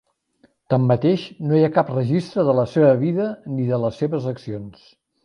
Tanmateix, no hi ha cap registre de la seva vida ni de les seves accions.